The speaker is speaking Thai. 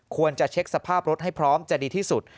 ควรจะเช็คสภาพรถให้พร้อมจะดีที่สุด